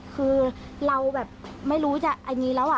คือเราแบบไม่รู้จักอย่างนี้แล้ว